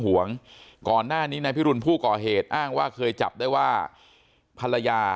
ห่วงก่อนหน้านี้นายพิรุณผู้ก่อเหตุอ้างว่าเคยจับได้ว่าภรรยา